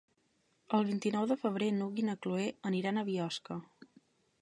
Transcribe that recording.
El vint-i-nou de febrer n'Hug i na Cloè aniran a Biosca.